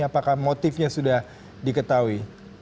apakah motifnya sudah diketahui